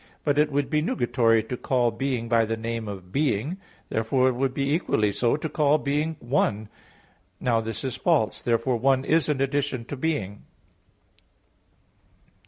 But it would be nugatory to call "being" by the name of "being"; therefore it would be equally so to call being "one." Now this is false. Therefore "one" is an addition to "being."